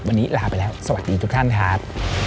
วันนี้ลาไปแล้วสวัสดีทุกท่านครับ